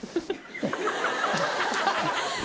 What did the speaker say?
ハハハ